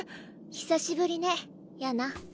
久しぶりねヤナ。